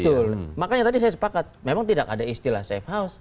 betul makanya tadi saya sepakat memang tidak ada istilah safe house